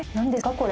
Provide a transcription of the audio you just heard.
これ。